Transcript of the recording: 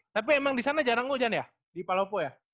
tapi emang di sana jarang hujan ya di palopo ya